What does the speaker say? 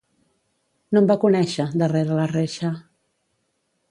No em va conèixer, darrere la reixa.